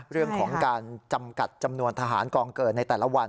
เรื่องของการจำกัดจำนวนทหารกองเกิดในแต่ละวัน